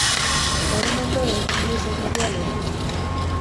Horren ondoren, ihes egitea lortu zuen.